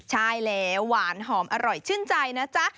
ใช่แล้วหวานหอมอร่อยชื่นใจนะจ๊ะ